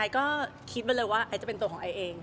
ก็คิดไว้เลยว่าไอซ์จะเป็นตัวของไอเอง